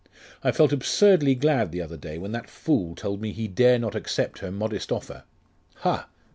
I felt absurdly glad the other day when that fool told me he dare not accept her modest offer. Ha!